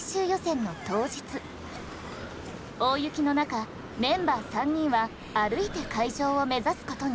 大雪の中メンバー３人は歩いて会場を目指すことに。